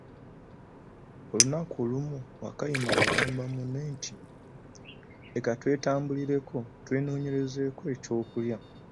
Olunaku olumu Wakayima y'agamba munne nti, leka twetambulireko twenonyeze eky'okulya.